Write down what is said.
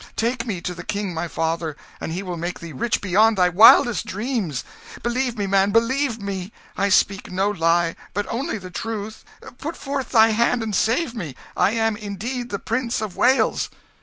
Take me to the king my father, and he will make thee rich beyond thy wildest dreams. Believe me, man, believe me! I speak no lie, but only the truth! put forth thy hand and save me! I am indeed the Prince of Wales!"